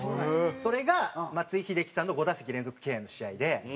それが松井秀喜さんの５打席連続敬遠の試合で。